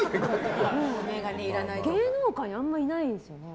芸能界にあんまりいないですよね。